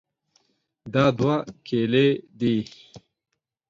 دا دوه کیلې دي.